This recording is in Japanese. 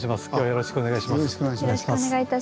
よろしくお願いします。